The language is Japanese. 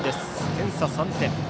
点差３点。